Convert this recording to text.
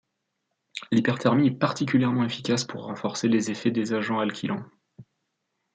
L'hyperthermie est particulièrement efficace pour renforcer les effets des agents alkylants.